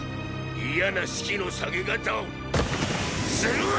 嫌な士気の下げ方をするわィ！